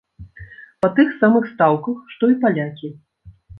Па тых самых стаўках, што і палякі.